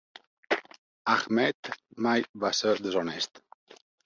Ahmed mai va ser deshonest.